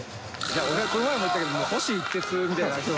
俺、この前も言ったけど、星一徹みたいな。